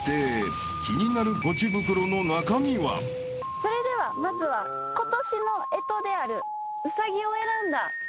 それではまずは今年の干支である兎を選んだ松尾さん。